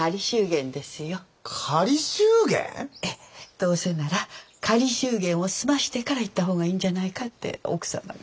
どうせなら仮祝言を済ましてから行った方がいいんじゃないかって奥様が。